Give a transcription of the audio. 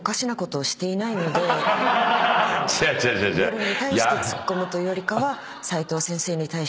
ベルに対してツッコむというよりかは。